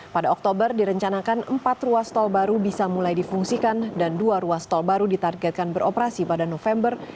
pada oktober direncanakan empat ruas tol baru bisa mulai difungsikan dan dua ruas tol baru ditargetkan beroperasi pada november